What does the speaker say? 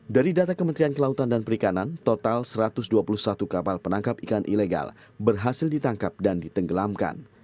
dari data kementerian kelautan dan perikanan total satu ratus dua puluh satu kapal penangkap ikan ilegal berhasil ditangkap dan ditenggelamkan